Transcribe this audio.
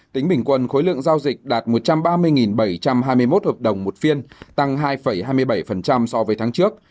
tính bình quân khối lượng giao dịch đạt một trăm ba mươi bảy trăm hai mươi một hợp đồng một phiên tăng hai hai mươi bảy so với tháng trước